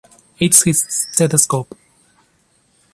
It's his stethoscope.